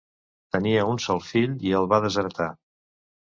Tenia un sol fill i el va desheretar.